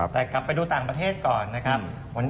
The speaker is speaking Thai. แต่กลับไปดูต่างประเทศก่อนนะครับ